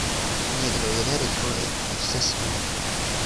Někdo jede rychleji, než se smí.